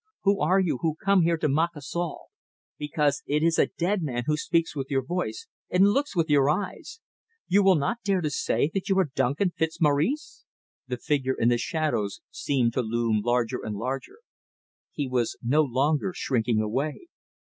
Who are you who come here to mock us all; because it is a dead man who speaks with your voice, and looks with your eyes? You will not dare to say that you are Duncan Fitzmaurice!" The figure in the shadows seemed to loom larger and larger. He was no longer shrinking away.